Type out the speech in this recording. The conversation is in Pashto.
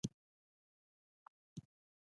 نورستان د هندوکش د غرونو په لړۍ کې پروت دی.